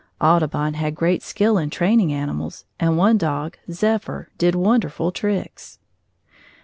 Audubon had great skill in training animals and one dog, Zephyr, did wonderful tricks.